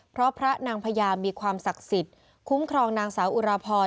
เพราะพระนางพญามีความศักดิ์สิทธิ์คุ้มครองนางสาวอุราพร